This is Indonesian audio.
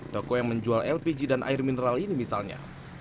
toko yang menjual lpg dan air mineral ini misalnya